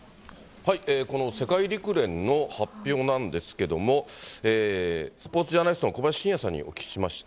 この世界陸連の発表なんですけども、スポーツジャーナリストの小林信也さんにお聞きしました。